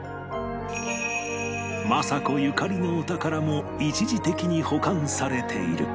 政子ゆかりのお宝も一時的に保管されている